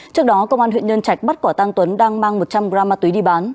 trước đó công an huyện nhân trạch bắt quả tăng tuấn đang mang một trăm linh gram ma túy đi bán